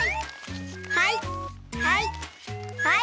はい！